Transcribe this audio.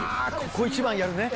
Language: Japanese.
ここ一番やるね。